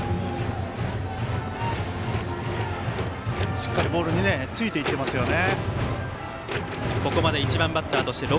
しっかりボールについていっていますね。